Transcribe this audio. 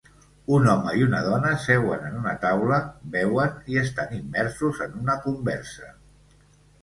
Un home i una dona seuen en una taula, beuen i estan immersos en una conversa.